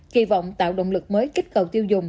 kỳ vọng tạo động lực mới kích cầu tiêu dùng